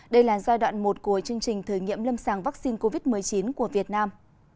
đây là giai đoạn một của chương trình thử nghiệm lâm sàng vaccine covid một mươi chín của việt nam